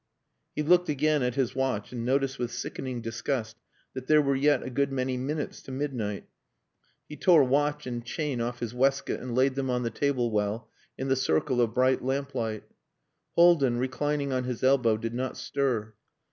He looked again at his watch and noticed with sickening disgust that there were yet a good many minutes to midnight. He tore watch and chain off his waistcoat and laid them on the table well in the circle of bright lamplight. Haldin, reclining on his elbow, did not stir.